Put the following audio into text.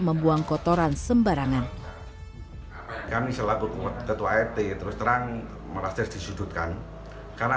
membuang kotoran sembarangan kami selaku ketua rt terus terang merasa disudutkan karena